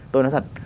tôi nói thật